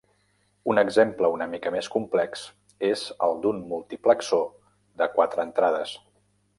Un exemple una mica més complex és el d'un multiplexor de quatre entrades.